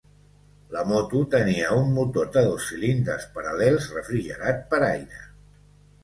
La moto tenia un motor de dos cilindres paral·lels refrigerat per aire.